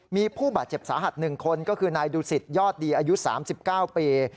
มีผู้บาดเจ็บสาหัส๑คนก็คือนายดูสิตยอดดีอายุ๓๙ปี